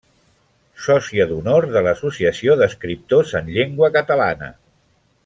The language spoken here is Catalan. Sòcia d'Honor de l'Associació d'Escriptors en Llengua Catalana.